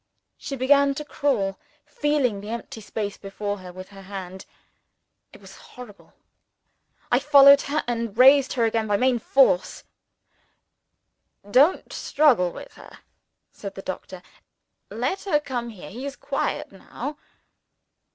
She began to crawl over the floor, feeling the empty space before her with her hand. It was horrible. I followed her, and raised her again, by main force. "Don't struggle with her," said the doctor. "Let her come here. He is quiet now."